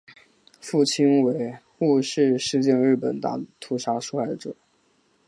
父亲为雾社事件日军大屠杀受害者。